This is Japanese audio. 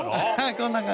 こんな感じ。